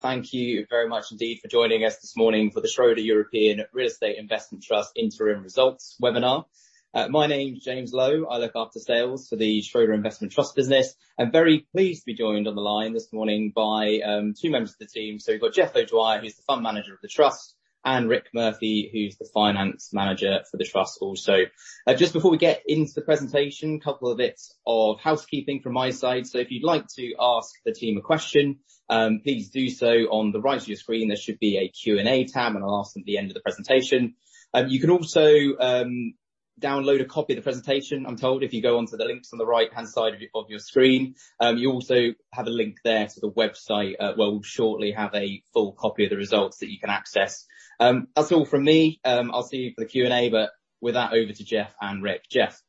Thank you very much indeed for joining us this morning for the Schroder European Real Estate Investment Trust Interim Results webinar. My name's James Lowe. I look after sales for the Schroder Investment Trust business. I'm very pleased to be joined on the line this morning by two members of the team. We've got Jeff O'Dwyer, who's the fund manager of the trust, and Rick Murphy, who's the finance manager for the trust also. Just before we get into the presentation, a couple of bits of housekeeping from my side. If you'd like to ask the team a question, please do so. On the right of your screen, there should be a Q&A tab, and I'll ask them at the end of the presentation. You can also download a copy of the presentation, I'm told, if you go onto the links on the right-hand side of your screen. You also have a link there to the website where we'll shortly have a full copy of the results that you can access. That's all from me. I'll see you for the Q&A, but with that, over to Jeff and Rick. Jeff?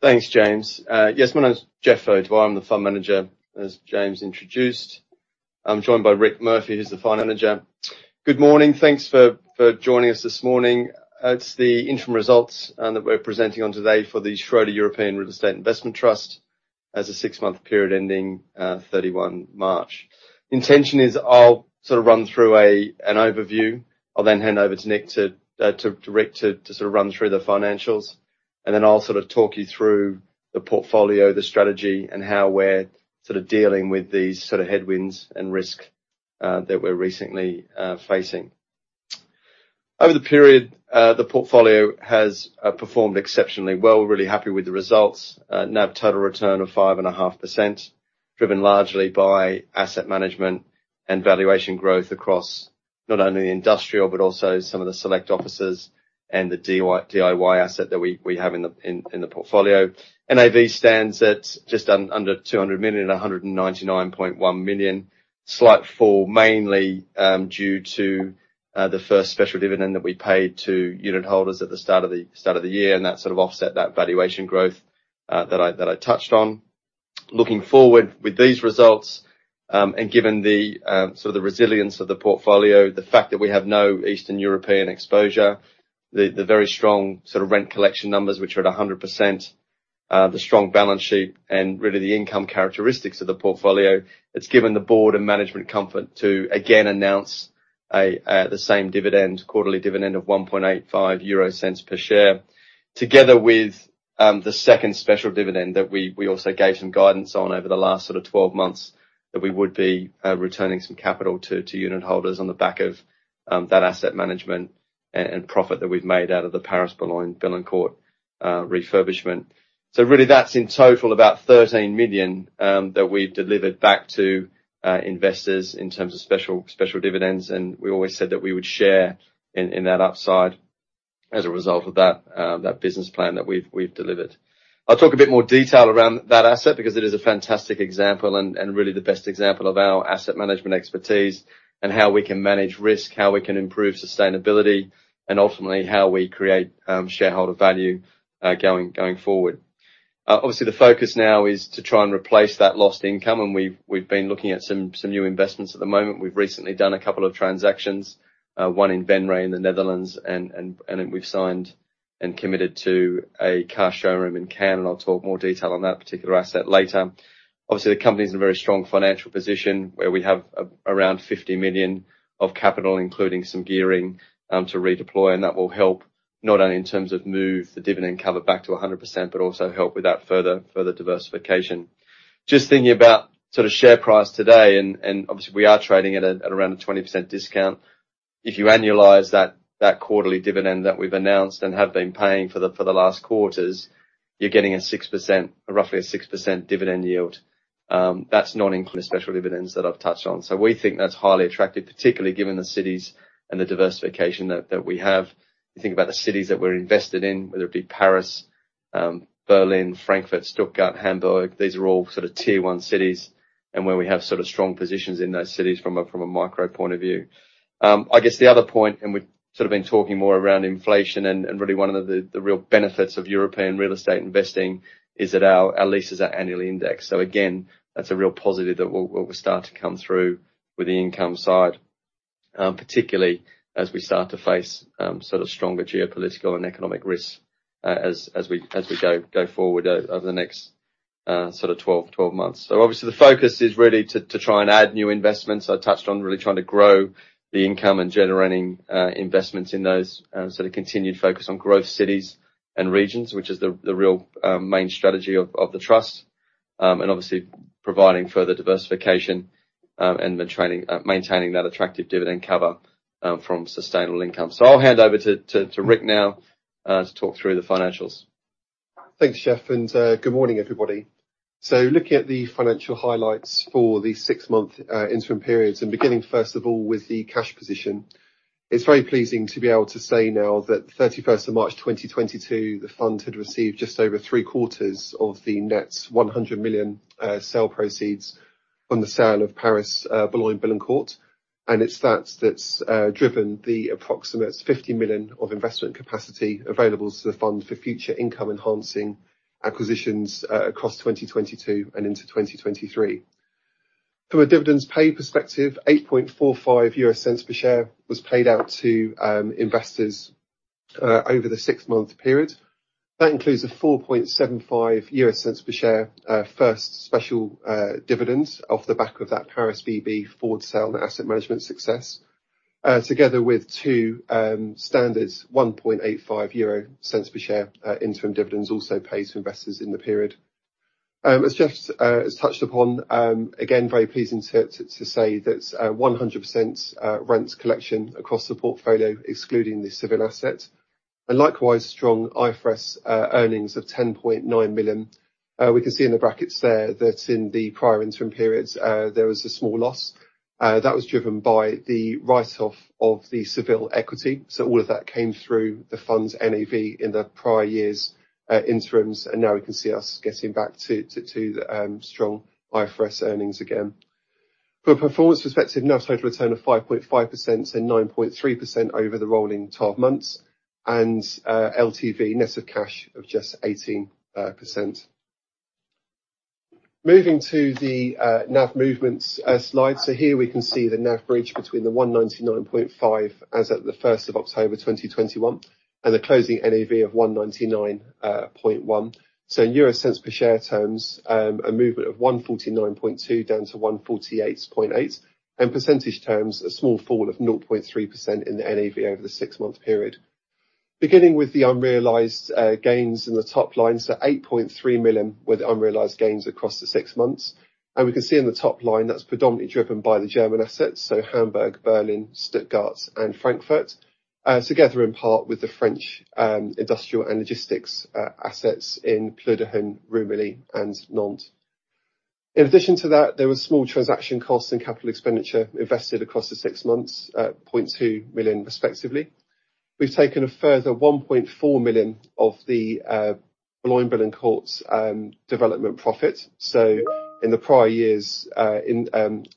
Thanks, James. Yes, my name is Jeff O'Dwyer. I'm the fund manager, as James introduced. I'm joined by Rick Murphy, who's the fund manager. Good morning. Thanks for joining us this morning. It's the interim results that we're presenting on today for the Schroder European Real Estate Investment Trust as a six-month period ending 31 March. Intention is I'll sort of run through an overview. I'll then hand over to Rick to sort of run through the financials. Then I'll sort of talk you through the portfolio, the strategy, and how we're sort of dealing with these sort of headwinds and risk that we're recently facing. Over the period, the portfolio has performed exceptionally well. We're really happy with the results. NAV total return of 5.5%, driven largely by asset management and valuation growth across not only the industrial but also some of the select offices and the DIY asset that we have in the portfolio. NAV stands at just under 200 million, 199.1 million. Slight fall, mainly due to the first special dividend that we paid to unit holders at the start of the year, and that sort of offset that valuation growth that I touched on. Looking forward, with these results, and given the sort of the resilience of the portfolio, the fact that we have no Eastern European exposure, the very strong sort of rent collection numbers which are at 100%, the strong balance sheet and really the income characteristics of the portfolio, it's given the board and management comfort to again announce the same quarterly dividend of 0.0185 per share, together with the second special dividend that we also gave some guidance on over the last sort of 12 months that we would be returning some capital to unit holders on the back of that asset management and profit that we've made out of the Paris Boulogne-Billancourt refurbishment. Really that's in total about 13 million that we've delivered back to investors in terms of special dividends. We always said that we would share in that upside as a result of that business plan that we've delivered. I'll talk a bit more detail around that asset because it is a fantastic example and really the best example of our asset management expertise and how we can manage risk, how we can improve sustainability, and ultimately how we create shareholder value going forward. Obviously the focus now is to try and replace that lost income, and we've been looking at some new investments at the moment. We've recently done a couple of transactions, one in Venray in the Netherlands and then we've signed and committed to a car showroom in Cannes, and I'll talk more detail on that particular asset later. Obviously, the company's in a very strong financial position where we have around 50 million of capital, including some gearing, to redeploy, and that will help not only in terms of move the dividend cover back to 100%, but also help with that further diversification. Just thinking about sort of share price today and obviously we are trading at around a 20% discount. If you annualize that quarterly dividend that we've announced and have been paying for the last quarters, you're getting a 6%, roughly a 6% dividend yield. That's not including the special dividends that I've touched on. We think that's highly attractive, particularly given the cities and the diversification that we have. You think about the cities that we're invested in, whether it be Paris, Berlin, Frankfurt, Stuttgart, Hamburg, these are all sort of tier one cities and where we have sort of strong positions in those cities from a micro point of view. I guess the other point, and we've sort of been talking more around inflation and really one of the real benefits of European real estate investing is that our leases are annually indexed. Again, that's a real positive that will start to come through with the income side, particularly as we start to face sort of stronger geopolitical and economic risks, as we go forward over the next sort of 12 months. Obviously the focus is really to try and add new investments. I touched on really trying to grow the income and generating investments in those sort of continued focus on growth cities and regions, which is the real main strategy of the trust, and obviously providing further diversification, and maintaining that attractive dividend cover from sustainable income. I'll hand over to Rick now to talk through the financials. Thanks, Jeff, and good morning, everybody. Looking at the financial highlights for the six-month interim periods and beginning first of all with the cash position, it's very pleasing to be able to say now that 31st March 2022, the fund had received just over three-quarters of the net 100 million sale proceeds from the sale of Paris Boulogne-Billancourt, and it's that that's driven the approximate 50 million of investment capacity available to the fund for future income-enhancing acquisitions across 2022 and into 2023. From a dividends paid perspective, 0.0845 per share was paid out to investors over the six-month period. That includes a $0.0475 per share first special dividends off the back of that Paris BB forward sale and asset management success. Together with 2.0 and 1.85 euro cents per share, interim dividends also paid to investors in the period. As Jeff has touched upon, again, very pleasing to say that 100% rent collection across the portfolio, excluding the Seville asset, and likewise, strong IFRS earnings of 10.9 million. We can see in the brackets there that in the prior interim periods, there was a small loss. That was driven by the write-off of the Seville equity. All of that came through the fund's NAV in the prior years' interims, and now we can see us getting back to the strong IFRS earnings again. From a performance perspective, NAV total return of 5.5% and 9.3% over the rolling twelve months and LTV net of cash of just 18%. Moving to the NAV movements slide. Here we can see the NAV bridge between the 199.5 as at the first of October 2021, and the closing NAV of 199.1. In euro cents per share terms, a movement of 149.2 down to 148.8, and percentage terms, a small fall of 0.3% in the NAV over the six-month period. Beginning with the unrealized gains in the top line, 8.3 million were the unrealized gains across the six months. We can see in the top line, that's predominantly driven by the German assets, so Hamburg, Berlin, Stuttgart, and Frankfurt, together in part with the French industrial and logistics assets in Plouharnel, Rumilly, and Nantes. In addition to that, there was small transaction costs and capital expenditure invested across the six months at 0.2 million respectively. We've taken a further 1.4 million of the Blumenberg Courts development profit. In the prior years, in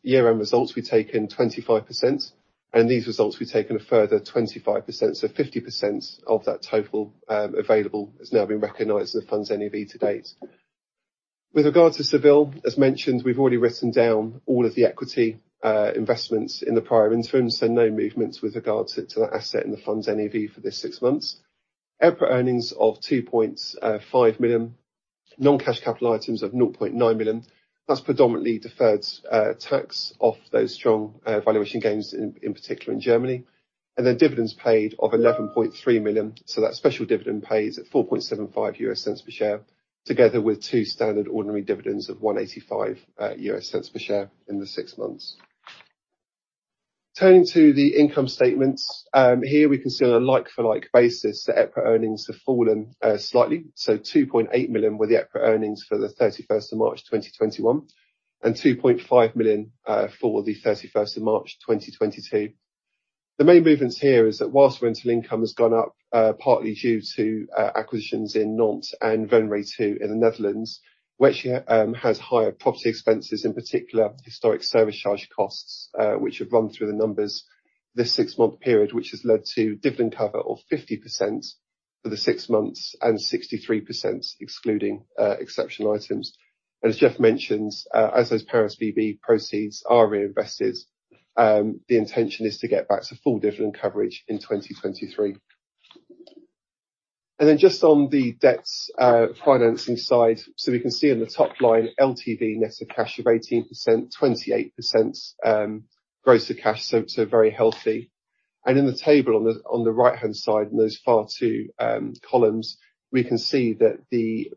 year-end results, we've taken 25%, and these results we've taken a further 25%. 50% of that total available has now been recognized as the fund's NAV to date. With regards to Seville, as mentioned, we've already written down all of the equity investments in the prior interim, so no movements with regards to that asset and the fund's NAV for this six months. EPRA earnings of 2.5 million. Non-cash capital items of 0.9 million. That's predominantly deferred tax off those strong valuation gains in particular in Germany. Dividends paid of 11.3 million, so that special dividend paid at $0.0475 per share, together with two standard ordinary dividends of $0.0185 per share in the six months. Turning to the income statements. Here we can see on a like-for-like basis that EPRA earnings have fallen slightly. 2.8 million were the EPRA earnings for March 31, 2021, and 2.5 million for March 31, 2022. The main movements here is that while rental income has gone up, partly due to acquisitions in Nantes and Venray II in the Netherlands, which has higher property expenses, in particular, historic service charge costs, which have run through the numbers this six-month period, which has led to dividend cover of 50% for the six months and 63% excluding exceptional items. As Jeff mentioned, as those Boulogne-Billancourt proceeds are reinvested, the intention is to get back to full dividend coverage in 2023. Then just on the debts financing side. We can see on the top line LTV net of cash of 18%, 28% gross of cash, so very healthy. In the table on the right-hand side in those far two columns, we can see that the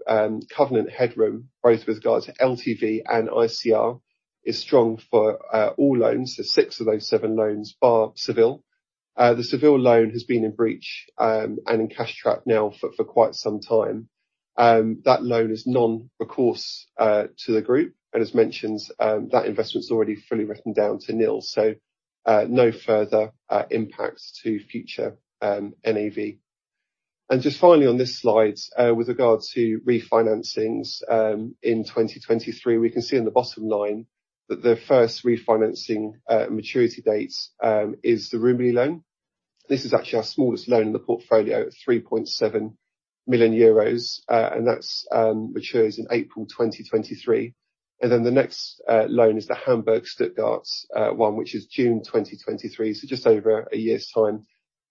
covenant headroom, both with regard to LTV and ICR, is strong for all loans. Six of those seven loans bar Seville. The Seville loan has been in breach and in cash trap now for quite some time. That loan is non-recourse to the group and as mentioned, that investment's already fully written down to nil. No further impacts to future NAV. Just finally on this slide, with regards to refinancings, in 2023, we can see on the bottom line that the first refinancing maturity date is the Rumilly loan. This is actually our smallest loan in the portfolio at 3.7 million euros, and that's matures in April 2023. Then the next loan is the Hamburg/Stuttgart one, which is June 2023, so just over a year's time.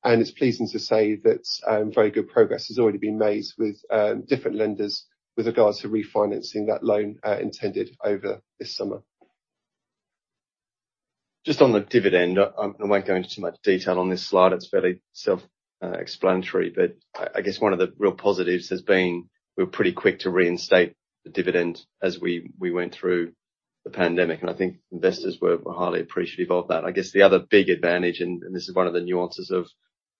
It's pleasing to say that very good progress has already been made with different lenders with regards to refinancing that loan, intended over this summer. Just on the dividend, I won't go into too much detail on this slide. It's fairly self-explanatory. I guess one of the real positives has been we're pretty quick to reinstate the dividend as we went through the pandemic, and I think investors were highly appreciative of that. I guess the other big advantage, and this is one of the nuances of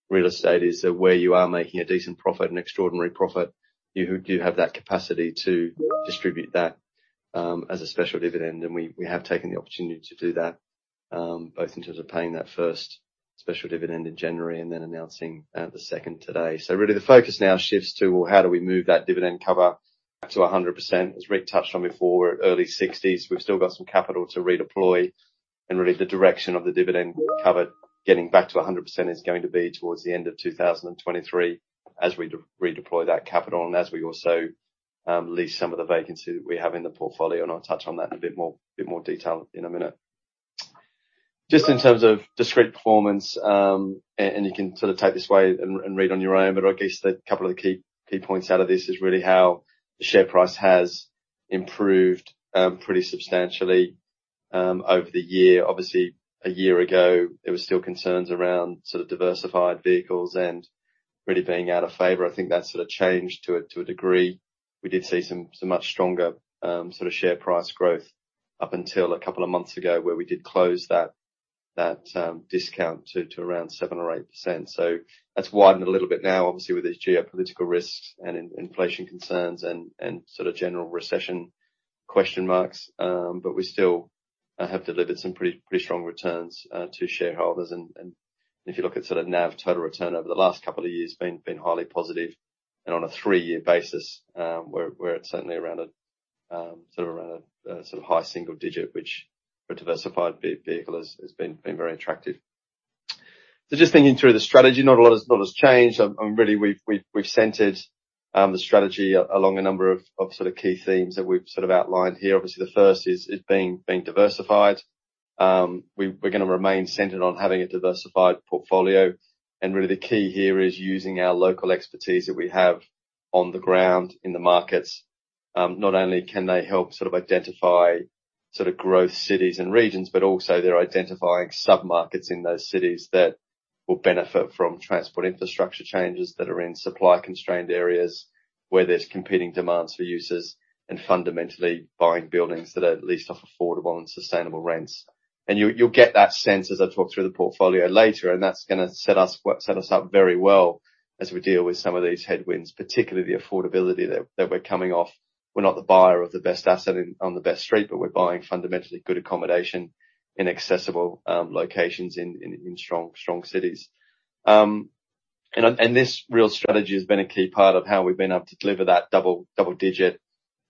real estate, is that where you are making a decent profit, an extraordinary profit, you do have that capacity to distribute that as a special dividend. We have taken the opportunity to do that, both in terms of paying that first special dividend in January and then announcing the second today. Really the focus now shifts to, well, how do we move that dividend cover up to 100%? As Rick touched on before, we're at early sixties. We've still got some capital to redeploy, and really the direction of the dividend cover getting back to 100% is going to be towards the end of 2023 as we redeploy that capital and as we also lease some of the vacancy that we have in the portfolio, and I'll touch on that in a bit more detail in a minute. Just in terms of discrete performance, and you can sort of take this away and read on your own, but I guess a couple of the key points out of this is really how the share price has improved, pretty substantially, over the year. Obviously, a year ago, there was still concerns around sort of diversified vehicles and really being out of favor. I think that's sort of changed to a degree. We did see some much stronger sort of share price growth up until a couple of months ago where we did close that discount to around 7 or 8%. That's widened a little bit now, obviously, with these geopolitical risks and inflation concerns and sort of general recession question marks. We still have delivered some pretty strong returns to shareholders. If you look at sort of NAV total return over the last couple of years been highly positive. On a three-year basis, we're at certainly around a sort of high single digit, which for a diversified vehicle has been very attractive. Just thinking through the strategy, not a lot has changed. Really we've centered the strategy along a number of sort of key themes that we've sort of outlined here. Obviously, the first is being diversified. We're gonna remain centered on having a diversified portfolio. Really the key here is using our local expertise that we have on the ground in the markets. Not only can they help sort of identify sort of growth cities and regions, but also they're identifying submarkets in those cities that will benefit from transport infrastructure changes that are in supply constrained areas where there's competing demands for users and fundamentally buying buildings that are at least of affordable and sustainable rents. You'll get that sense as I talk through the portfolio later, and that's gonna set us up very well as we deal with some of these headwinds, particularly the affordability that we're coming off. We're not the buyer of the best asset in on the best street, but we're buying fundamentally good accommodation in accessible locations in strong cities. This real strategy has been a key part of how we've been able to deliver that double-digit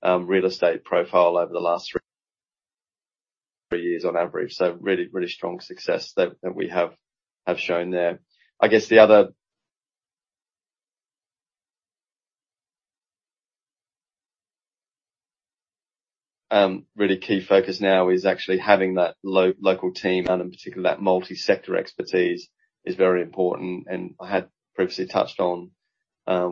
real estate profile over the last three years on average. Really strong success that we have shown there. Really key focus now is actually having that local team, and in particular, that multi-sector expertise is very important. I had previously touched on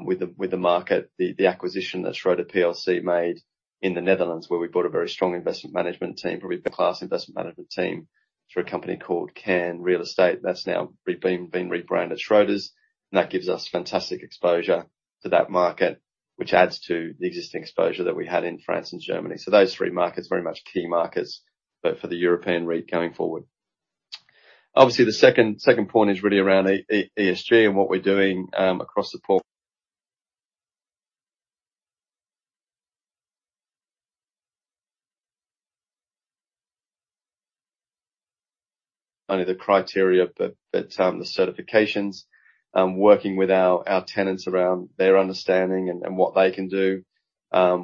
with the market, the acquisition that Schroders plc made in the Netherlands, where we bought a very strong investment management team, probably a best in class investment management team through a company called Cairn Real Estate. That's now been rebranded Schroders, and that gives us fantastic exposure to that market, which adds to the existing exposure that we had in France and Germany. Those three markets, very much key markets, but for the European REIT going forward. Obviously, the second point is really around ESG and what we're doing across the portfolio, not only the criteria, but the certifications, working with our tenants around their understanding and what they can do.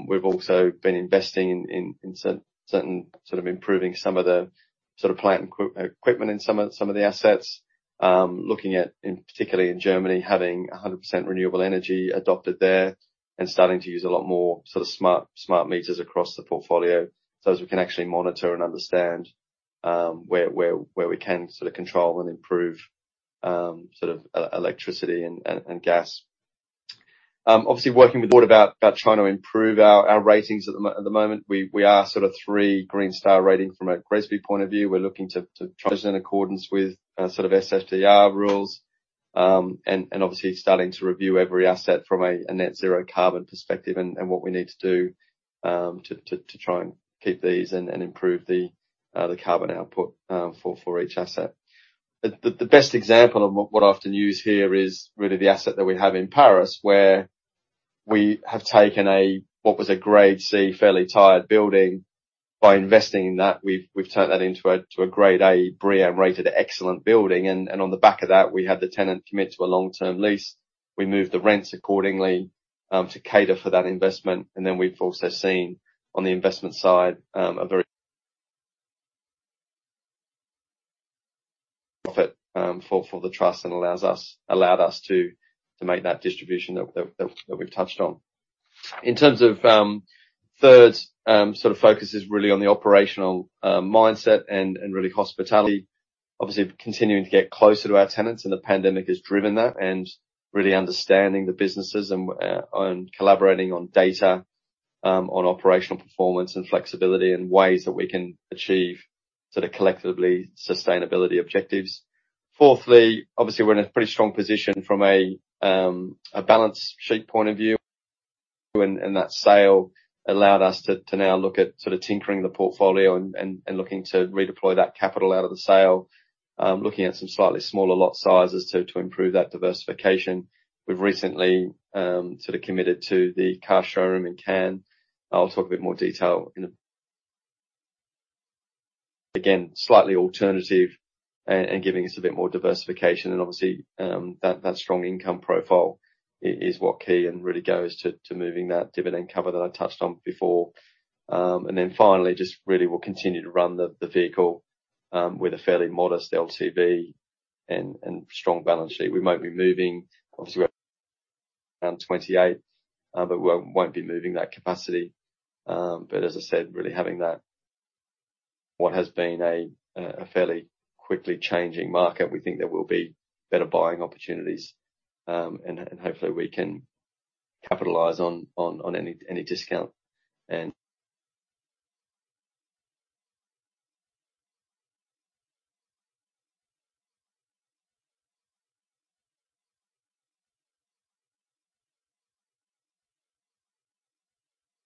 We've also been investing in certain sort of improving some of the sort of plant equipment in some of the assets. Looking particularly in Germany, having 100% renewable energy adopted there and starting to use a lot more sort of smart meters across the portfolio so as we can actually monitor and understand where we can sort of control and improve sort of electricity and gas. Obviously working towards trying to improve our ratings at the moment. We are sort of three Green Star rating from a GRESB point of view. We're looking to the Trust in accordance with sort of SFDR rules, and obviously starting to review every asset from a net zero carbon perspective and what we need to do to try and keep these and improve the carbon output for each asset. The best example of what I often use here is really the asset that we have in Paris, where we have taken what was a Grade C, fairly tired building. By investing in that, we've turned that into a Grade A BREEAM-rated excellent building. On the back of that, we had the tenant commit to a long-term lease. We moved the rents accordingly to cater for that investment. We've also seen on the investment side a very. profit for the trust and allowed us to make that distribution that we've touched on. In terms of third sort of focus is really on the operational mindset and really hospitality. Obviously, continuing to get closer to our tenants, and the pandemic has driven that, and really understanding the businesses and collaborating on data on operational performance and flexibility and ways that we can achieve sort of collectively sustainability objectives. Fourthly, obviously, we're in a pretty strong position from a balance sheet point of view. That sale allowed us to now look at sort of tinkering the portfolio and looking to redeploy that capital out of the sale. Looking at some slightly smaller lot sizes to improve that diversification. We've recently sort of committed to the car showroom in Cannes. I'll talk a bit more detail. Again, slightly alternative and giving us a bit more diversification. Obviously, that strong income profile is what's key and really goes to moving that dividend cover that I touched on before. Then finally, just really we'll continue to run the vehicle with a fairly modest LTV and strong balance sheet. We won't be moving. Obviously, we have 28%, but we won't be moving that capacity. As I said, really having that, what has been a fairly quickly changing market. We think there will be better buying opportunities and hopefully we can capitalize on any discount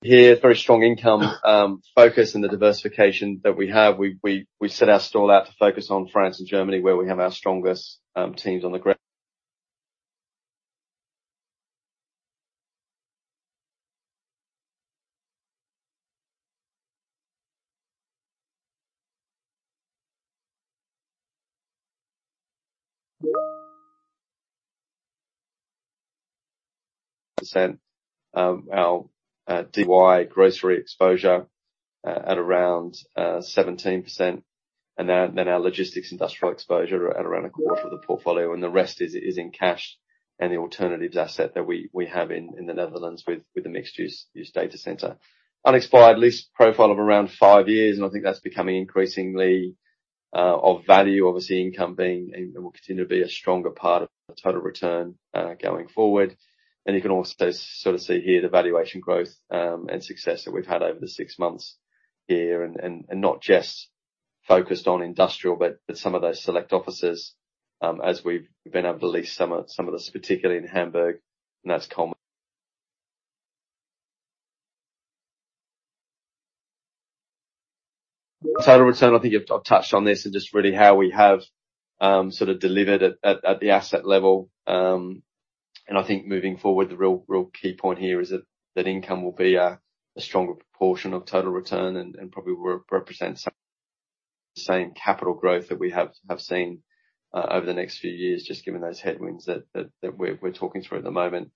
and a very strong income focus and the diversification that we have. We set our stall out to focus on France and Germany, where we have our strongest teams on the ground. Our DIY grocery exposure at around 17%. Then our logistics industrial exposure are at around a quarter of the portfolio, and the rest is in cash and the alternative asset that we have in the Netherlands with the mixed-use data center. Unexpired lease profile of around five years, and I think that's becoming increasingly of value. Obviously, income being and will continue to be a stronger part of the total return going forward. You can also sort of see here the valuation growth, and success that we've had over the six months here and not just focused on industrial, but some of those select offices, as we've been able to lease some of this, particularly in Hamburg, and that's common. Total return, I think I've touched on this and just really how we have sort of delivered at the asset level. I think moving forward, the real key point here is that that income will be a stronger proportion of total return and probably will represent the same capital growth that we have seen over the next few years, just given those headwinds that we're talking through at the moment.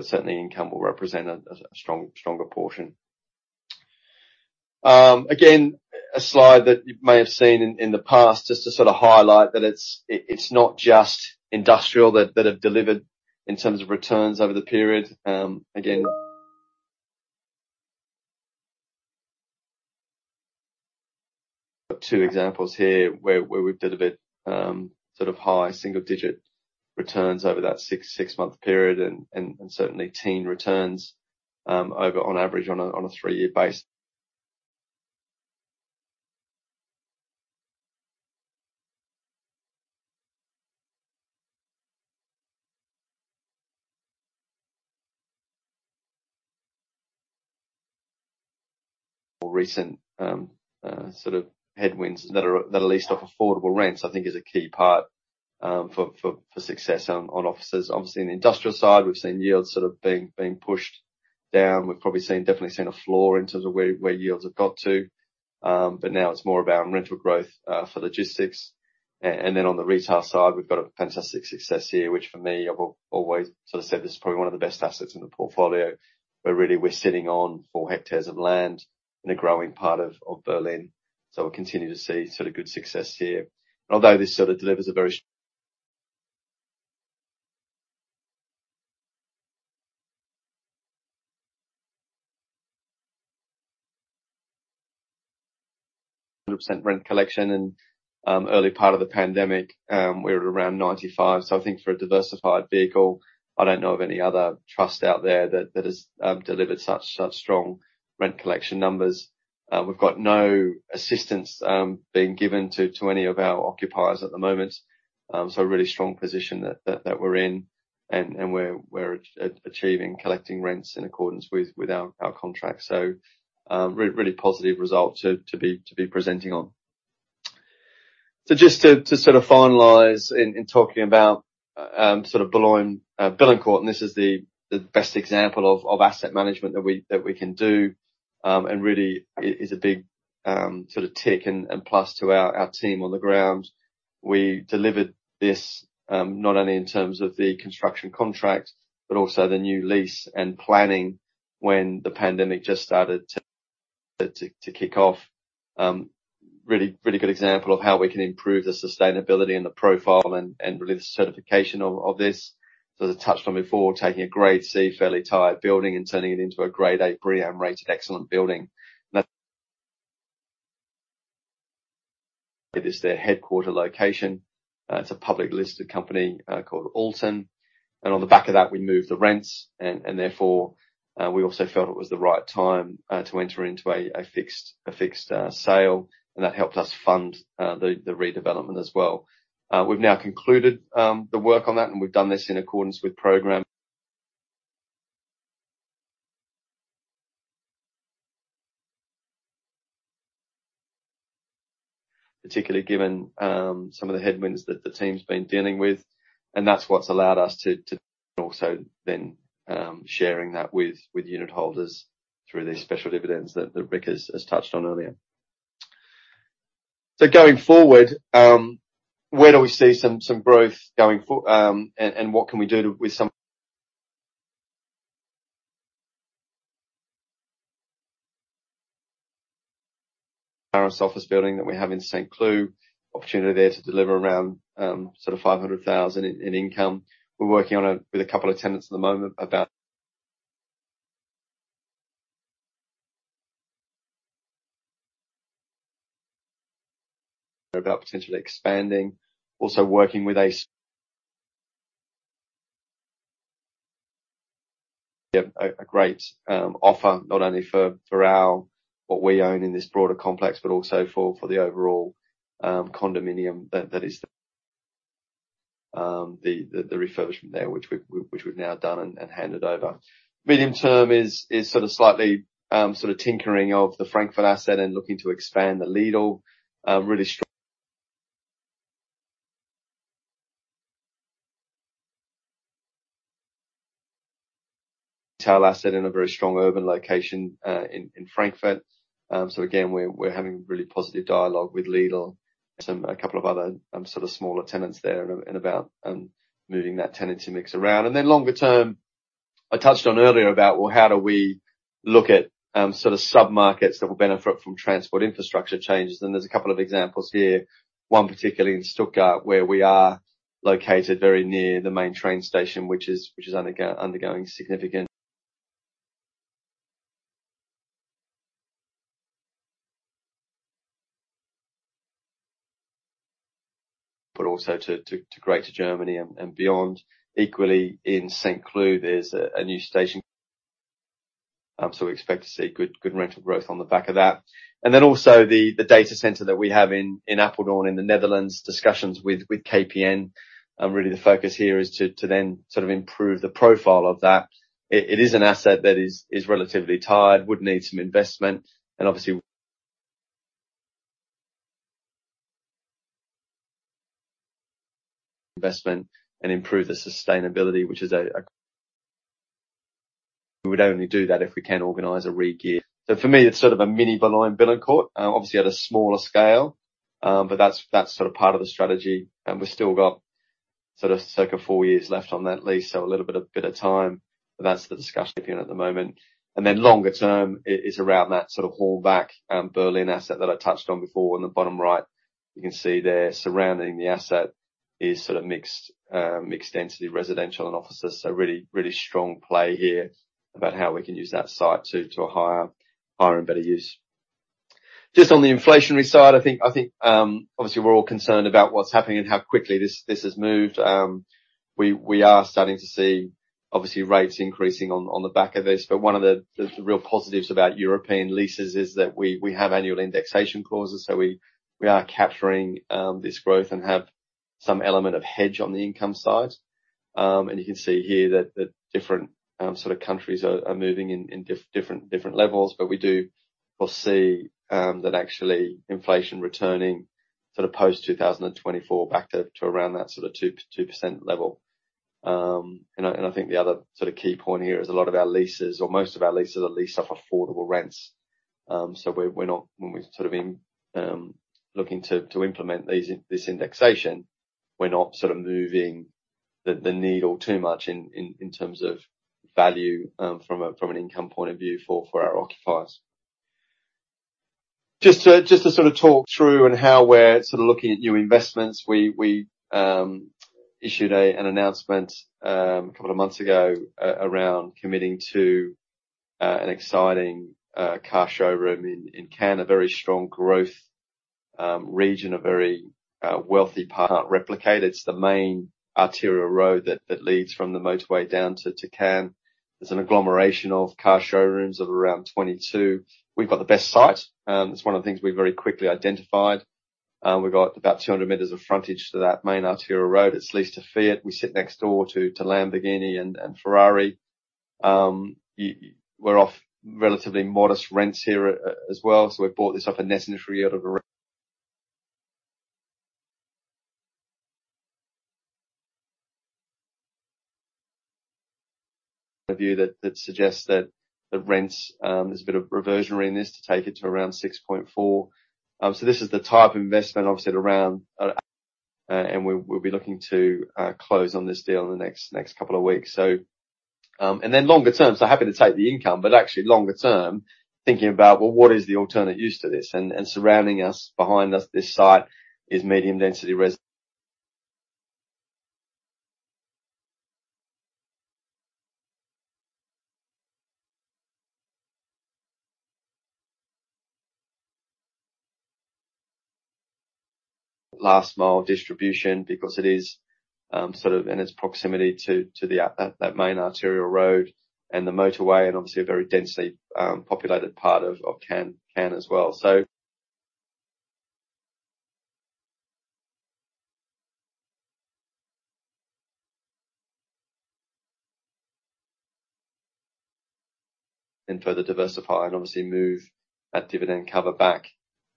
Certainly income will represent a stronger portion. Again, a slide that you may have seen in the past just to sort of highlight that it's not just industrial that have delivered in terms of returns over the period. Again. Got two examples here where we've delivered sort of high single-digit returns over that six-month period and certainly teen returns over on average on a three-year basis. More recent sort of headwinds that are least affected by affordable rents, I think is a key part for success on offices. Obviously in the industrial side, we've seen yields sort of being pushed down. We've definitely seen a floor in terms of where yields have got to. Now it's more about rental growth for logistics. And then on the retail side, we've got a fantastic success here, which for me, I've always sort of said this is probably one of the best assets in the portfolio, where really we're sitting on four hectares of land in a growing part of Berlin. We'll continue to see sort of good success here. Although this sort of delivers a very 100% rent collection and, early part of the pandemic, we were around 95. I think for a diversified vehicle, I don't know of any other trust out there that has delivered such strong rent collection numbers. We've got no assistance being given to any of our occupiers at the moment. A really strong position that we're in and we're achieving collecting rents in accordance with our contracts. Really positive result to be presenting on. Just to sort of finalize in talking about sort of Boulogne-Billancourt, and this is the best example of asset management that we can do. Really is a big sort of tick and plus to our team on the ground. We delivered this not only in terms of the construction contract, but also the new lease and planning when the pandemic just started to kick off. Really good example of how we can improve the sustainability and the profile and really the certification of this. As I touched on before, taking a Grade C fairly tight building and turning it into a Grade A BREEAM-rated excellent building. It is their headquarters location. It's a publicly listed company called ALTEN. On the back of that, we moved the rents and therefore we also felt it was the right time to enter into a forward sale, and that helped us fund the redevelopment as well. We've now concluded the work on that, and we've done this in accordance with program. Particularly given some of the headwinds that the team's been dealing with, and that's what's allowed us to share that with unit holders through these special dividends that Rick has touched on earlier. Going forward, where do we see some growth with some office building that we have in Saint-Cloud. Opportunity there to deliver around sort of 500,000 in income. We're working with a couple of tenants at the moment about potentially expanding. Also working with a great offer, not only for what we own in this broader complex, but also for the overall condominium that is the refurbishment there which we've now done and handed over. Medium-term is slightly tinkering of the Frankfurt asset and looking to expand the Lidl, really strong retail asset in a very strong urban location in Frankfurt. Again, we're having really positive dialogue with Lidl, a couple of other sort of smaller tenants there and about moving that tenancy mix around. Longer term, I touched on earlier about well, how do we look at sort of submarkets that will benefit from transport infrastructure changes. There's a couple of examples here. One particularly in Stuttgart, where we are located very near the main train station, which is undergoing significant but also to greater Germany and beyond. Equally, in Saint-Cloud, there's a new station, so we expect to see good rental growth on the back of that. Then also the data center that we have in Apeldoorn in the Netherlands, discussions with KPN, really the focus here is to then sort of improve the profile of that. It is an asset that is relatively tired, would need some investment, and obviously investment and improve the sustainability. We would only do that if we can organize a regear. For me, it's sort of a mini Boulogne-Billancourt, obviously at a smaller scale. But that's sort of part of the strategy. We've still got sort of circa four years left on that lease, a little bit of time. That's the discussion at the moment. Longer term is around that sort of Hallberg, Berlin asset that I touched on before. On the bottom right, you can see there surrounding the asset is sort of mixed density residential and offices. Really strong play here about how we can use that site to a higher and better use. Just on the inflationary side, I think obviously we're all concerned about what's happening and how quickly this has moved. We are starting to see obviously rates increasing on the back of this. One of the real positives about European leases is that we have annual indexation clauses, so we are capturing this growth and have some element of hedge on the income side. You can see here that different sort of countries are moving in different levels. We do foresee that actually inflation returning sort of post 2024 back to around that sort of 2% level. I think the other sort of key point here is a lot of our leases, or most of our leases, are leased on affordable rents. We're not, when we're looking to implement this indexation, sort of moving the needle too much in terms of value from an income point of view for our occupiers. Just to sort of talk through on how we're sort of looking at new investments. We issued an announcement a couple of months ago around committing to an exciting car showroom in Cannes, a very strong growth region, a very wealthy part to replicate. It's the main arterial road that leads from the motorway down to Cannes. There's an agglomeration of car showrooms of around 22. We've got the best site. It's one of the things we very quickly identified. We've got about 200 meters of frontage to that main arterial road. It's leased to Fiat. We sit next door to Lamborghini and Ferrari. We're on relatively modest rents here as well, so we bought this out of necessity out of a view that suggests that the rents, there's a bit of reversionary in this to take it to around 6.4. This is the type of investment, obviously at around, and we'll be looking to close on this deal in the next couple of weeks. Longer term, happy to take the income, but actually longer term, thinking about, well, what is the alternate use to this? Surrounding us, behind us, this site is medium density resi last mile distribution because it is sort of in its proximity to the main arterial road and the motorway, and obviously a very densely populated part of Cannes as well. Further diversify and obviously move that dividend cover back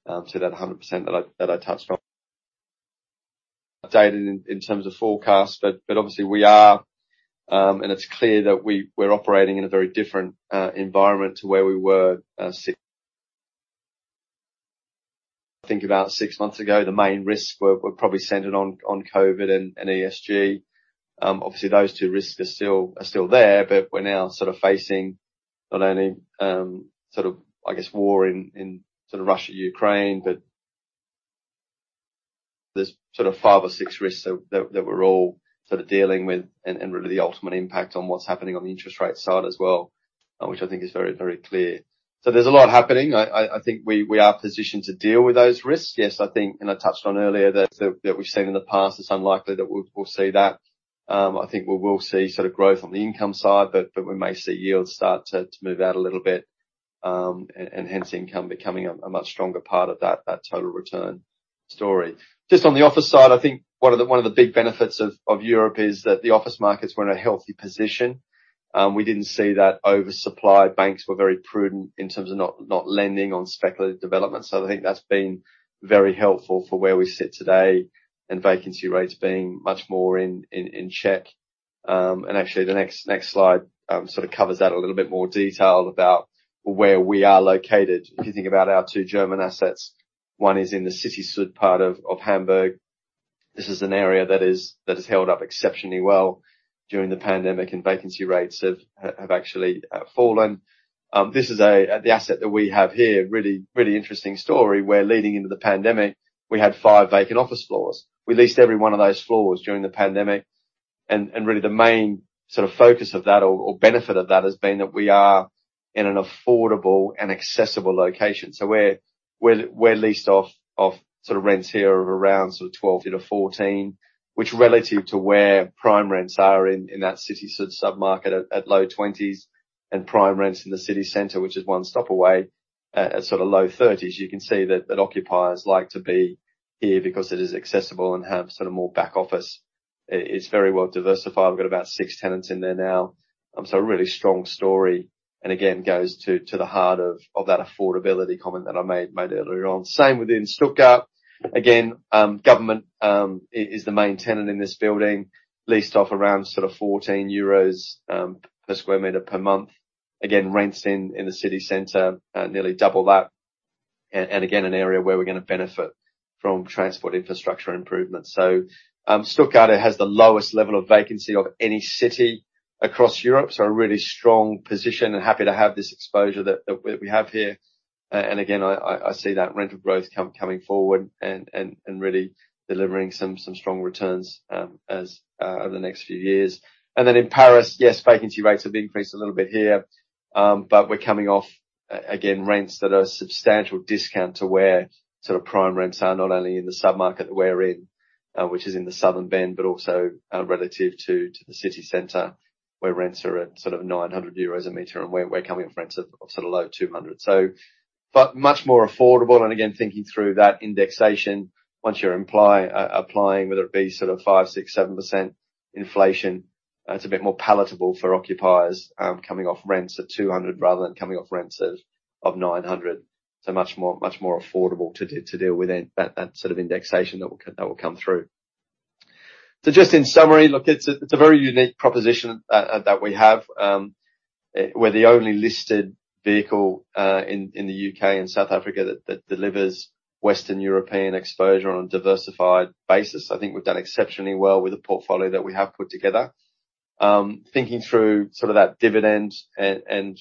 to that 100% that I touched on, updated in terms of forecast, but obviously we are and it's clear that we're operating in a very different environment to where we were six months ago, I think the main risks were probably centered on COVID and ESG. Obviously those two risks are still there, but we're now sort of facing not only sort of, I guess, war in sort of Russia, Ukraine, but there's sort of five or six risks that we're all sort of dealing with and really the ultimate impact on what's happening on the interest rate side as well, which I think is very, very clear. There's a lot happening. I think we are positioned to deal with those risks. Yes, I think and I touched on earlier that we've seen in the past, it's unlikely that we'll see that. I think we will see sort of growth on the income side, but we may see yields start to move out a little bit, and hence income becoming a much stronger part of that total return story. Just on the office side, I think one of the big benefits of Europe is that the office markets were in a healthy position. We didn't see that oversupply. Banks were very prudent in terms of not lending on speculative developments. I think that's been very helpful for where we sit today, and vacancy rates being much more in check. Actually the next slide sort of covers that a little bit more detail about where we are located. If you think about our two German assets, one is in the city sort of part of Hamburg. This is an area that has held up exceptionally well during the pandemic, and vacancy rates have actually fallen. This is the asset that we have here, really interesting story, where leading into the pandemic, we had five vacant office floors. We leased every one of those floors during the pandemic, and really the main sort of focus of that or benefit of that has been that we are in an affordable and accessible location. We're leased off of sort of rents here of around 12-14, which relative to where prime rents are in that city sort of sub-market at low 20s and prime rents in the city center, which is one stop away at sort of low 30s. You can see that occupiers like to be here because it is accessible and have sort of more back office. It's very well diversified. We've got about six tenants in there now. A really strong story, and again, goes to the heart of that affordability comment that I made earlier on. Same within Stuttgart. Again, government is the main tenant in this building, leased off around sort of 14 euros per sq m per month. Again, rents in the city center are nearly double that. again, an area where we're gonna benefit from transport infrastructure improvements. Stuttgart has the lowest level of vacancy of any city across Europe, so a really strong position and happy to have this exposure that we have here. I see that rental growth coming forward and really delivering some strong returns as over the next few years. Then in Paris, yes, vacancy rates have increased a little bit here, but we're coming off again, rents that are a substantial discount to where sort of prime rents are not only in the sub-market we're in, which is in the southern bend, but also relative to the city center, where rents are at sort of 900 euros a meter and we're coming from rents of sort of low 200. But much more affordable and again, thinking through that indexation, once you're applying, whether it be sort of 5, 6, 7% inflation, it's a bit more palatable for occupiers, coming off rents at 200 rather than coming off rents of 900. Much more affordable to deal with than that sort of indexation that will come through. Just in summary, it's a very unique proposition. We're the only listed vehicle in the UK and South Africa that delivers Western European exposure on a diversified basis. I think we've done exceptionally well with the portfolio that we have put together. Thinking through sort of that dividend and,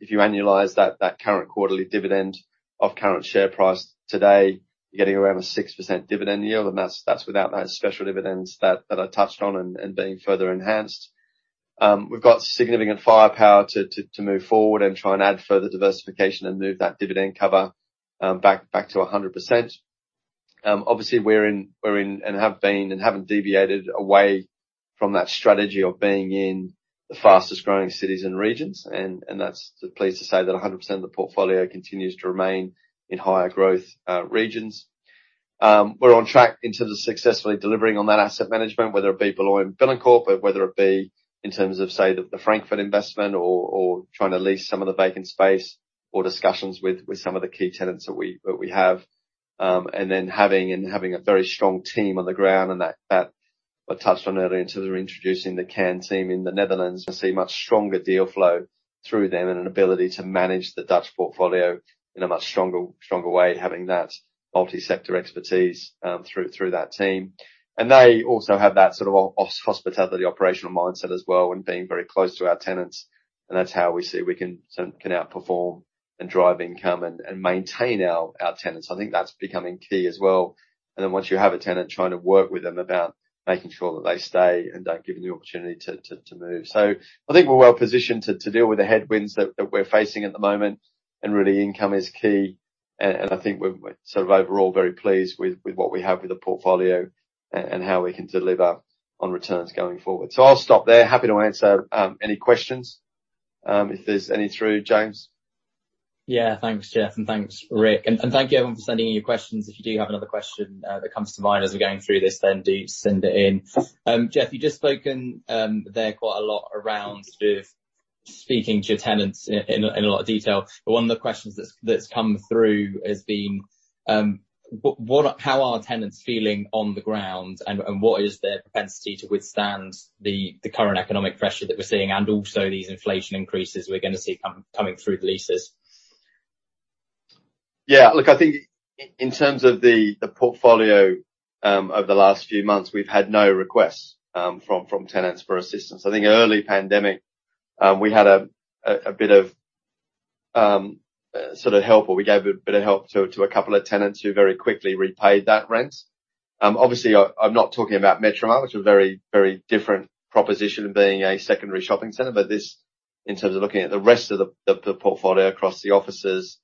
if you annualize that current quarterly dividend of current share price today, you're getting around a 6% dividend yield, and that's without those special dividends that I touched on and being further enhanced. We've got significant firepower to move forward and try and add further diversification and move that dividend cover back to 100%. Obviously, we're in and have been and haven't deviated away from that strategy of being in the fastest-growing cities and regions. We're pleased to say that 100% of the portfolio continues to remain in higher growth regions. We're on track in terms of successfully delivering on that asset management, whether it be Boulogne-Billancourt, whether it be in terms of, say, the Frankfurt investment or trying to lease some of the vacant space or discussions with some of the key tenants that we have. Having a very strong team on the ground that I touched on earlier in terms of introducing the Cairn team in the Netherlands to see much stronger deal flow through them and an ability to manage the Dutch portfolio in a much stronger way, having that multi-sector expertise through that team. They also have that sort of hospitality operational mindset as well and being very close to our tenants. That's how we see we can outperform and drive income and maintain our tenants. I think that's becoming key as well. Once you have a tenant, trying to work with them about making sure that they stay and don't give them the opportunity to move. I think we're well positioned to deal with the headwinds that we're facing at the moment, and really income is key. I think we're sort of overall very pleased with what we have with the portfolio and how we can deliver on returns going forward. I'll stop there. Happy to answer any questions if there's any through James. Yeah. Thanks, Jeff, and thanks, Rick. Thank you everyone for sending in your questions. If you do have another question that comes to mind as we're going through this, then do send it in. Jeff, you've just spoken there quite a lot around sort of speaking to your tenants in a lot of detail. One of the questions that's come through has been, how are tenants feeling on the ground and what is their propensity to withstand the current economic pressure that we're seeing and also these inflation increases we're gonna see coming through the leases? Yeah, look, I think in terms of the portfolio, over the last few months, we've had no requests from tenants for assistance. I think early pandemic, we had a bit of sort of help, or we gave a bit of help to a couple of tenants who very quickly repaid that rent. Obviously, I'm not talking about Metromar, which is a very different proposition being a secondary shopping center. This, in terms of looking at the rest of the portfolio across the offices,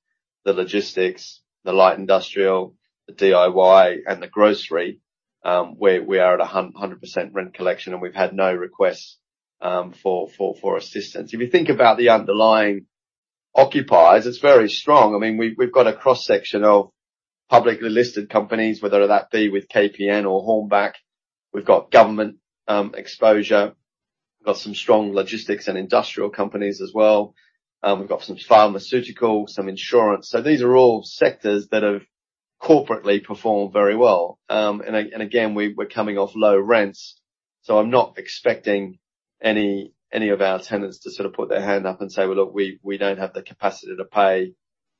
the logistics, the light industrial, the DIY, and the grocery, we are at 100% rent collection, and we've had no requests for assistance. If you think about the underlying occupiers, it's very strong. I mean, we've got a cross-section of publicly listed companies, whether that be with KPN or Hornbach. We've got government exposure. We've got some strong logistics and industrial companies as well. We've got some pharmaceutical, some insurance. These are all sectors that have corporately performed very well. And again, we're coming off low rents, so I'm not expecting any of our tenants to sort of put their hand up and say, "Well, look, we don't have the capacity to pay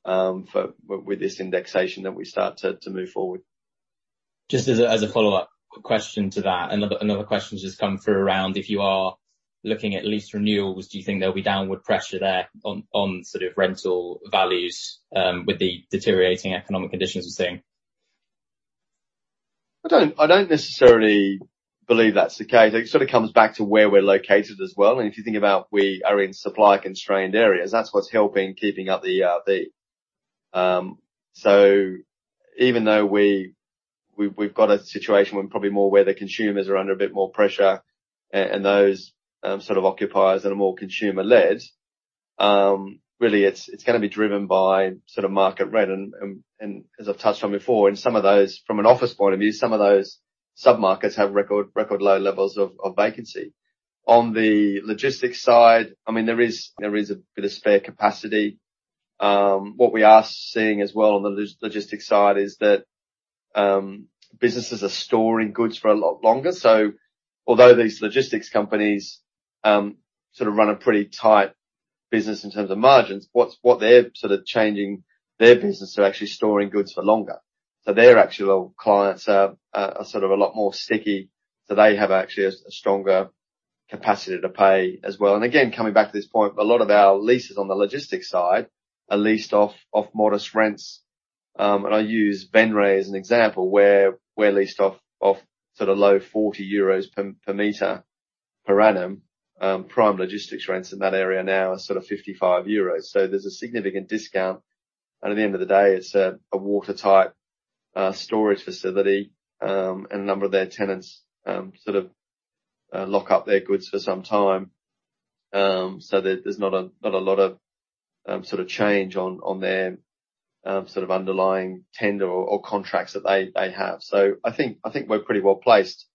for with this indexation that we start to move forward. Just as a follow-up question to that. Another question just come through around if you are looking at lease renewals, do you think there'll be downward pressure there on sort of rental values with the deteriorating economic conditions we're seeing? I don't necessarily believe that's the case. It sort of comes back to where we're located as well. If you think about, we are in supply constrained areas, that's what's helping keeping up the ERV. Even though we've got a situation where probably more where the consumers are under a bit more pressure and those sort of occupiers that are more consumer-led, really it's gonna be driven by sort of market rent. As I've touched on before, from an office point of view, some of those submarkets have record low levels of vacancy. On the logistics side, I mean, there is a bit of spare capacity. What we are seeing as well on the logistics side is that businesses are storing goods for a lot longer. Although these logistics companies sort of run a pretty tight business in terms of margins, what they're sort of changing their business to actually storing goods for longer. Their actual clients are sort of a lot more sticky, so they have actually a stronger capacity to pay as well. Again, coming back to this point, a lot of our leases on the logistics side are leased at modest rents. I use Venray as an example where we're leased at sort of low 40 euros per meter per annum. Prime logistics rents in that area now are sort of 55 euros. There's a significant discount, and at the end of the day, it's a watertight storage facility, and a number of their tenants sort of lock up their goods for some time. There's not a lot of sort of change on their sort of underlying tenor or contracts that they have. I think we're pretty well placed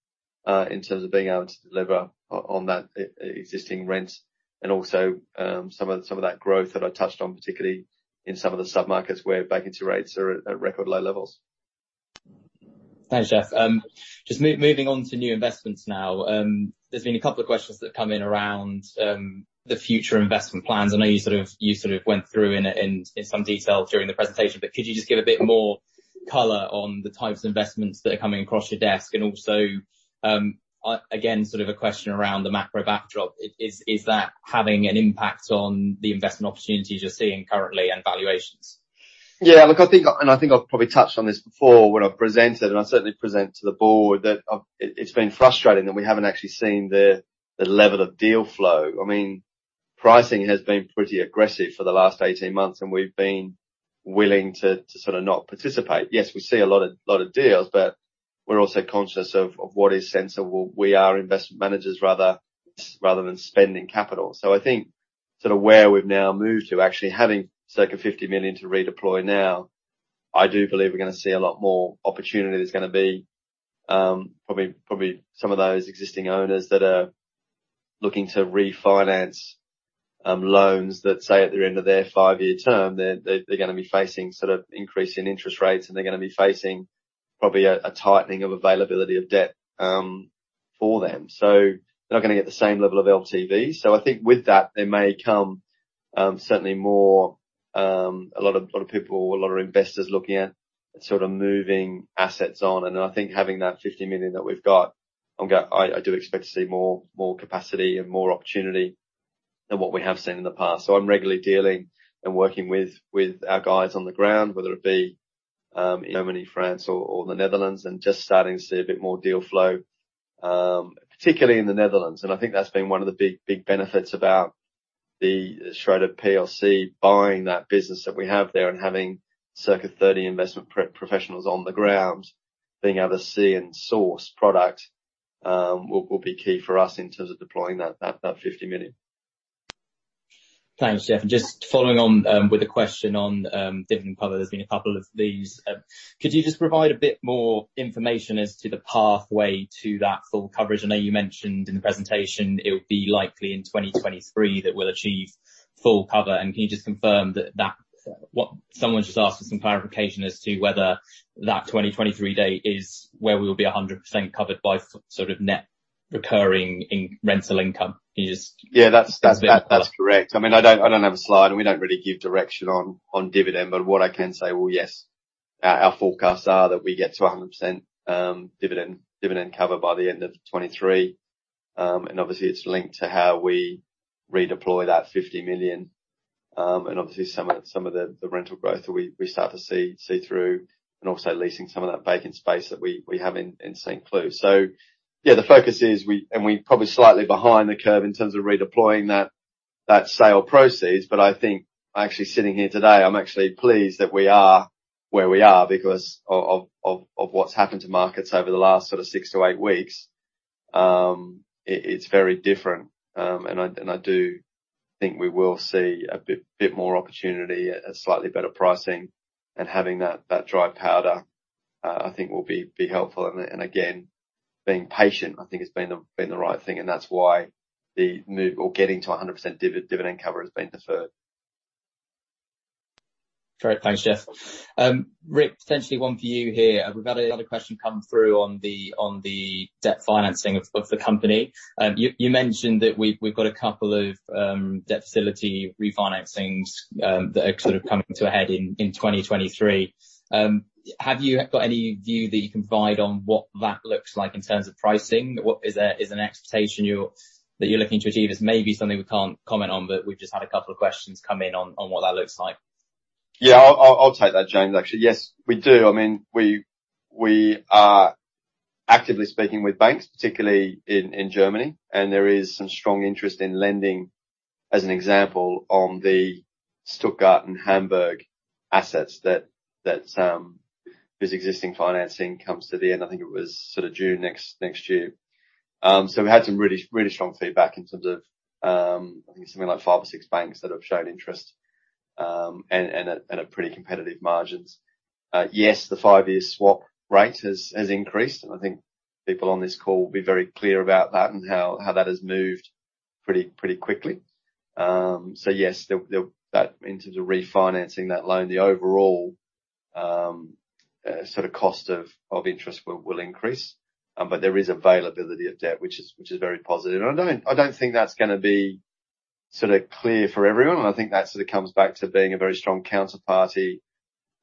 in terms of being able to deliver on that existing rent and also some of that growth that I touched on, particularly in some of the submarkets where vacancy rates are at record low levels. Thanks, Jeff. Just moving on to new investments now. There's been a couple of questions that come in around the future investment plans. I know you sort of went through in some detail during the presentation, but could you just give a bit more color on the types of investments that are coming across your desk? Also, again, sort of a question around the macro backdrop. Is that having an impact on the investment opportunities you're seeing currently and valuations? Yeah, look, I think, and I think I've probably touched on this before when I've presented, and I certainly present to the board, that it's been frustrating that we haven't actually seen the level of deal flow. I mean, pricing has been pretty aggressive for the last 18 months, and we've been willing to sort of not participate. Yes, we see a lot of deals, but we're also conscious of what is sensible. We are investment managers rather than spending capital. I think sort of where we've now moved to actually having circa 50 million to redeploy now, I do believe we're gonna see a lot more opportunity. There's gonna be probably some of those existing owners that are looking to refinance loans that, say, at the end of their five-year term, they're gonna be facing sort of increase in interest rates, and they're gonna be facing probably a tightening of availability of debt for them. They're not gonna get the same level of LTV. I think with that, there may come certainly more, a lot of people, a lot of investors looking at sort of moving assets on. I think having that 50 million that we've got, I do expect to see more capacity and more opportunity than what we have seen in the past. I'm regularly dealing and working with our guys on the ground, whether it be in Germany, France or the Netherlands, and just starting to see a bit more deal flow, particularly in the Netherlands. I think that's been one of the big benefits about the Schroders plc buying that business that we have there and having circa 30 investment professionals on the ground. Being able to see and source product will be key for us in terms of deploying that 50 million. Thanks, Jeff. Just following on with a question on dividend cover. There's been a couple of these. Could you just provide a bit more information as to the pathway to that full coverage? I know you mentioned in the presentation it would be likely in 2023 that we'll achieve full cover. Can you just confirm that what someone's just asked for some clarification as to whether that 2023 date is where we'll be 100% covered by sort of net recurring rental income? Yeah, that's correct. I mean, I don't have a slide, and we don't really give direction on dividend. What I can say, well, yes, our forecasts are that we get to 100% dividend cover by the end of 2023. Obviously it's linked to how we redeploy that 50 million. Obviously some of the rental growth that we start to see through, and also leasing some of that vacant space that we have in. Yeah, the focus is we're probably slightly behind the curve in terms of redeploying that sale proceeds. I think actually sitting here today, I'm actually pleased that we are where we are because of what's happened to markets over the last sort of six to eight weeks. It's very different. I do think we will see a bit more opportunity, a slightly better pricing. Having that dry powder, I think will be helpful. Again, being patient, I think has been the right thing. That's why the move or getting to 100% dividend cover has been deferred. Great. Thanks, Jeff. Rick, potentially one for you here. We've had another question come through on the debt financing of the company. You mentioned that we've got a couple of debt facility refinancings that are sort of coming to a head in 2023. Have you got any view that you can provide on what that looks like in terms of pricing? What is an expectation you're looking to achieve? It's maybe something we can't comment on, but we've just had a couple of questions come in on what that looks like. Yeah, I'll take that, James, actually. Yes, we do. I mean, we are actively speaking with banks, particularly in Germany, and there is some strong interest in lending, as an example, on the Stuttgart and Hamburg assets that this existing financing comes to the end. I think it was sort of June next year. We had some really strong feedback in terms of, I think something like five or six banks that have shown interest, and at pretty competitive margins. Yes, the five-year swap rate has increased, and I think people on this call will be very clear about that and how that has moved pretty quickly. Yes, that into the refinancing that loan, the overall sort of cost of interest will increase. There is availability of debt, which is very positive. I don't think that's gonna be sort of clear for everyone. I think that sort of comes back to being a very strong counterparty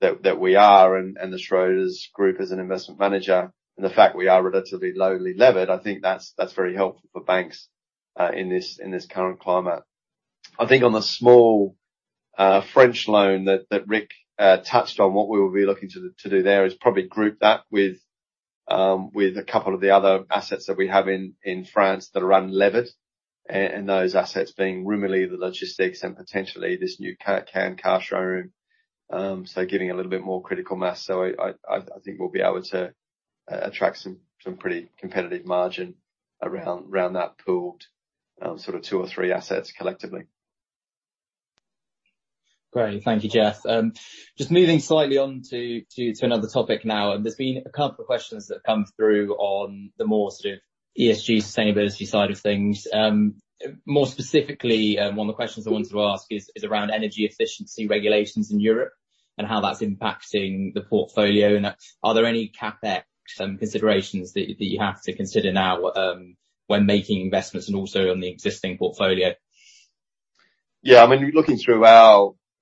that we are and the Schroders Group as an investment manager. The fact we are relatively lowly levered, I think that's very helpful for banks, in this current climate. I think on the small French loan that Rick touched on, what we will be looking to do there is probably group that with a couple of the other assets that we have in France that are unlevered. Those assets being Rumilly, the logistics, and potentially this new Cannes car showroom. Getting a little bit more critical mass. I think we'll be able to attract some pretty competitive margin around that pooled sort of two or three assets collectively. Great. Thank you, Jeff. Just moving slightly on to another topic now. There's been a couple of questions that have come through on the more sort of ESG sustainability side of things. More specifically, one of the questions I wanted to ask is around energy efficiency regulations in Europe and how that's impacting the portfolio. Are there any CapEx considerations that you have to consider now, when making investments and also on the existing portfolio? Yeah, I mean, looking through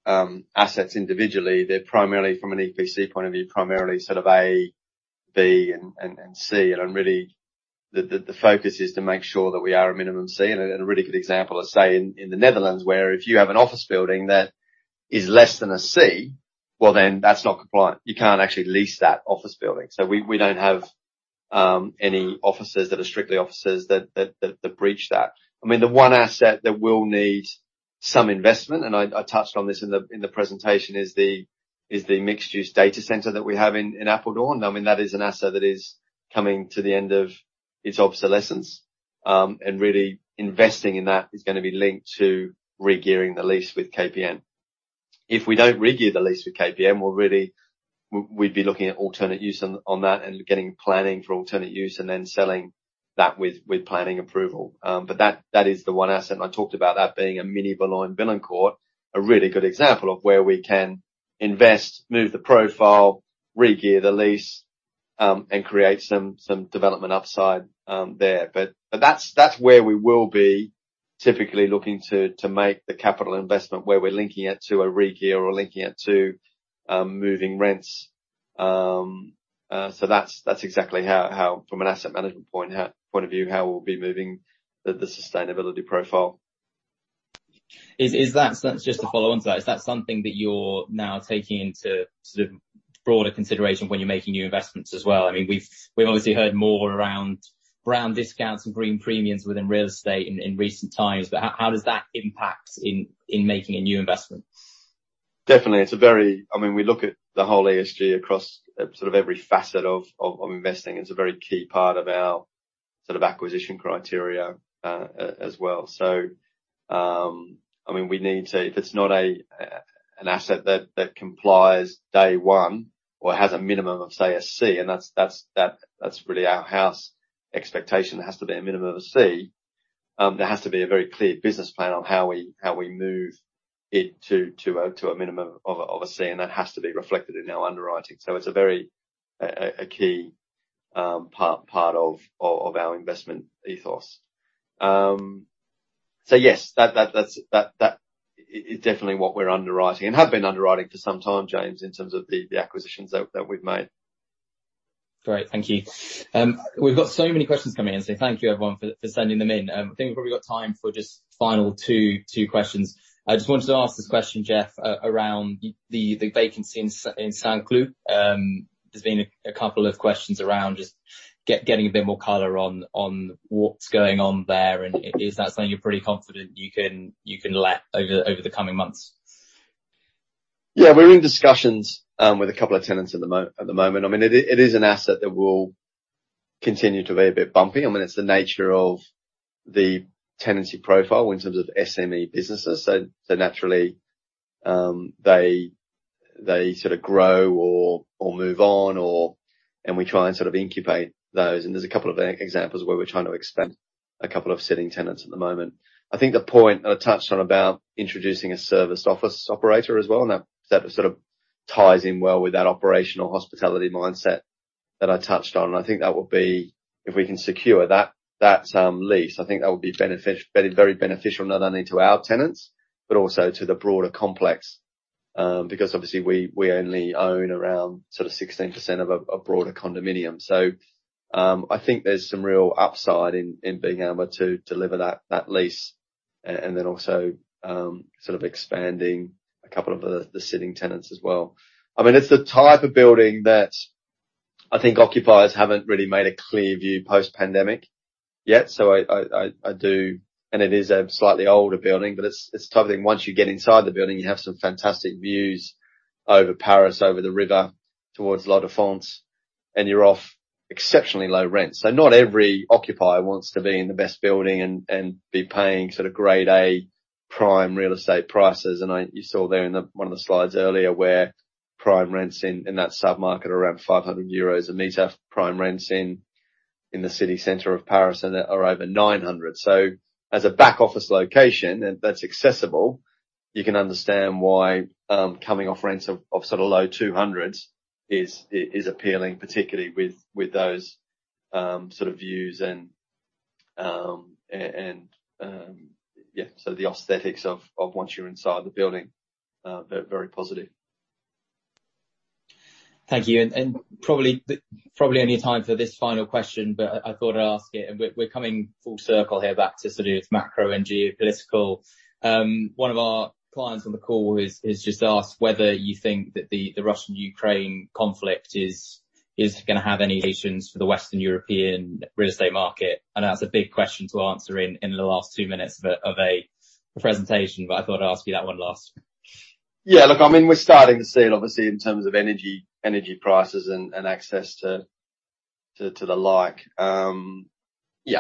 our assets individually, they're primarily from an EPC point of view, primarily sort of A, B and C. Really the focus is to make sure that we are a minimum C. A really good example is, say, in the Netherlands, where if you have an office building that is less than a C, well, then that's not compliant. You can't actually lease that office building. We don't have any offices that are strictly offices that breach that. I mean, the one asset that will need some investment, and I touched on this in the presentation, is the mixed-use data center that we have in Apeldoorn. I mean, that is an asset that is coming to the end of its obsolescence. Really investing in that is gonna be linked to regearing the lease with KPN. If we don't regear the lease with KPN, we'd be looking at alternate use on that and getting planning for alternate use and then selling that with planning approval. That is the one asset, and I talked about that being a mini Boulogne-Billancourt. A really good example of where we can invest, move the profile, regear the lease, and create some development upside there. That's where we will be typically looking to make the capital investment, where we're linking it to a regear or linking it to moving rents. That's exactly how, from an asset management point of view, we'll be moving the sustainability profile. Just to follow on to that. Is that something that you're now taking into sort of broader consideration when you're making new investments as well? I mean, we've obviously heard more around brown discounts and green premiums within real estate in recent times. How does that impact in making a new investment? Definitely. It's a very I mean, we look at the whole ESG across sort of every facet of investing. It's a very key part of our sort of acquisition criteria as well. I mean, we need to if it's not an asset that complies day one or has a minimum of, say, a C, and that's really our house expectation. It has to be a minimum of a C. There has to be a very clear business plan on how we move it to a minimum of a C, and that has to be reflected in our underwriting. It's a very a key part of our investment ethos. Yes, that is definitely what we're underwriting and have been underwriting for some time, James, in terms of the acquisitions that we've made. Great. Thank you. We've got so many questions coming in, so thank you everyone for sending them in. I think we've probably got time for just final two questions. I just wanted to ask this question, Jeff, around the vacancy in St. Cloud. There's been a couple of questions around just getting a bit more color on what's going on there, and is that something you're pretty confident you can let over the coming months? Yeah. We're in discussions with a couple of tenants at the moment. I mean, it is an asset that will continue to be a bit bumpy. I mean, it's the nature of the tenancy profile in terms of SME businesses. So naturally, they sort of grow or move on. We try and sort of incubate those, and there's a couple of examples where we're trying to expand a couple of sitting tenants at the moment. I think the point I touched on about introducing a serviced office operator as well, and that sort of ties in well with that operational hospitality mindset that I touched on. I think that would be, if we can secure that lease, I think that would be very, very beneficial not only to our tenants, but also to the broader complex. Because obviously we only own around sort of 16% of a broader condominium. I think there's some real upside in being able to deliver that lease and then also sort of expanding a couple of the sitting tenants as well. I mean, it's the type of building that I think occupiers haven't really made a clear view post-pandemic yet. It is a slightly older building, but it's the type of thing, once you get inside the building, you have some fantastic views over Paris, over the river, towards La Défense, and you're on exceptionally low rent. Not every occupier wants to be in the best building and be paying sort of grade A prime real estate prices. You saw there in the one of the slides earlier where prime rents in that sub-market are around 500 euros a meter. Prime rents in the city center of Paris are over 900. As a back office location that's accessible, you can understand why coming off rents of sort of low 200s is appealing, particularly with those sort of views and. Yeah, the aesthetics of once you're inside the building very positive. Thank you. Probably only time for this final question, but I thought I'd ask it. We're coming full circle here back to sort of macro and geopolitical. One of our clients on the call has just asked whether you think that the Russian-Ukraine conflict is gonna have any implications for the Western European real estate market. I know that's a big question to answer in the last two minutes of a presentation, but I thought I'd ask you that one last. Look, I mean, we're starting to see it obviously in terms of energy prices and access to the like. I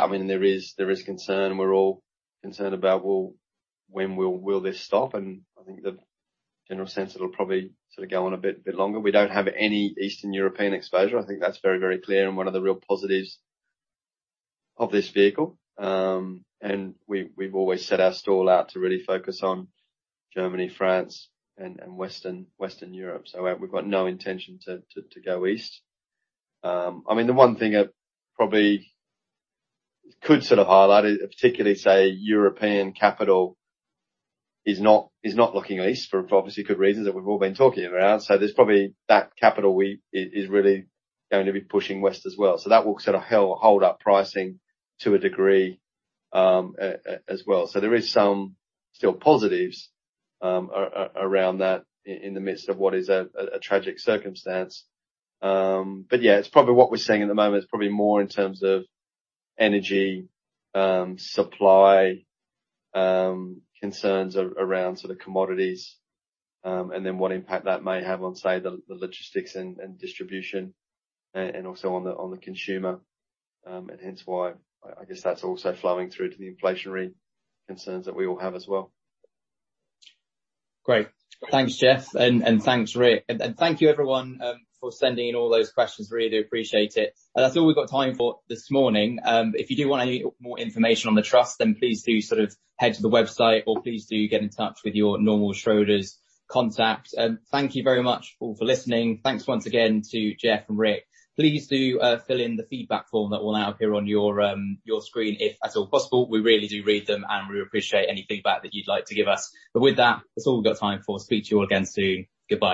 mean, there is concern. We're all concerned about, well, when will this stop? I think the general sense it'll probably sort of go on a bit longer. We don't have any Eastern European exposure. I think that's very clear and one of the real positives of this vehicle. We've always set our stall out to really focus on Germany, France and Western Europe. We've got no intention to go east. I mean, the one thing I probably could sort of highlight, particularly, say, European capital is not looking east for obviously good reasons that we've all been talking around. There's probably that capital is really going to be pushing west as well. That will sort of hold up pricing to a degree, as well. There is some still positives around that in the midst of what is a tragic circumstance. But yeah, it's probably what we're seeing at the moment is probably more in terms of energy, supply, concerns around sort of commodities, and then what impact that may have on, say, the logistics and distribution, and also on the consumer. Hence why I guess that's also flowing through to the inflationary concerns that we all have as well. Great. Thanks, Jeff. And thanks, Rick. Thank you everyone for sending in all those questions. Really do appreciate it. That's all we've got time for this morning. If you do want any more information on the trust, then please do sort of head to the website or please do get in touch with your normal Schroders contact. Thank you very much all for listening. Thanks once again to Jeff and Rick. Please do fill in the feedback form that will now appear on your screen, if at all possible. We really do read them, and we appreciate any feedback that you'd like to give us. With that's all we've got time for. Speak to you all again soon. Goodbye.